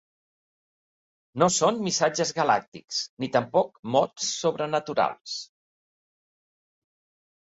No són missatges galàctics ni tampoc mots sobrenaturals.